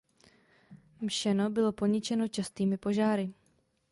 Mšeno bylo poničeno častými požáry.